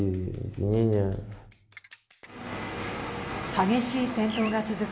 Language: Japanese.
激しい戦闘が続く